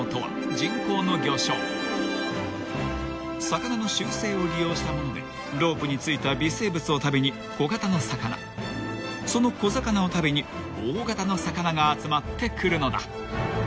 ［魚の習性を利用した物でロープに付いた微生物を食べに小型の魚その小魚を食べに大型の魚が集まってくるのだ］